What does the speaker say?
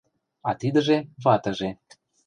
А тидыже — ватыже.